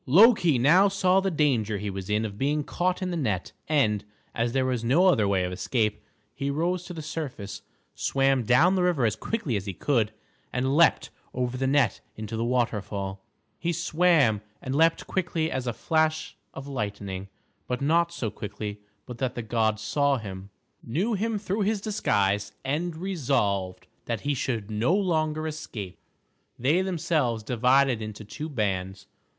Loki now saw the danger he was in of being caught in the net, and, as there was no other way of escape, he rose to the surface, swam down the river as quickly as he could, and leaped over the net into the waterfall. He swam and leaped quick as a flash of lightning, but not so quickly but that the gods saw him, knew him through his disguise, and resolved that he should no longer escape. They themselves divided into two bands.